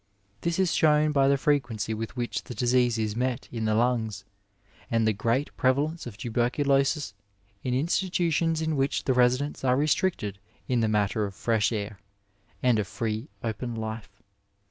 This b shown by the frequency with which the disease is met in the Inngs, and the great prevalence of tuberculosis in institutiong in which the residents are restricted in the matter of fresh air and a free, open life.